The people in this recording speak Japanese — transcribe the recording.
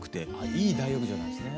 いい大浴場なんですね。